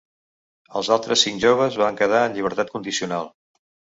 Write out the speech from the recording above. Els altres cinc joves van quedar en llibertat condicional.